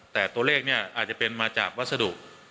แต่ตัวเลขเนี่ยอาจจะเป็นมาจากวัสดุ